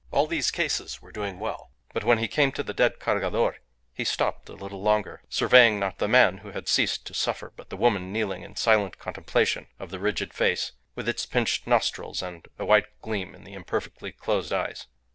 All these cases were doing well; but when he came to the dead Cargador he stopped a little longer, surveying not the man who had ceased to suffer, but the woman kneeling in silent contemplation of the rigid face, with its pinched nostrils and a white gleam in the imperfectly closed eyes.